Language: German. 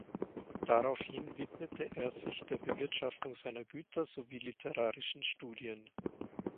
Daraufhin widmete er sich der Bewirtschaftung seiner Güter sowie literarischen Studien.